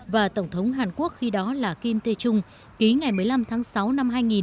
và tổng thống hàn quốc khi đó là kim tê chung ký ngày một mươi năm tháng sáu năm hai nghìn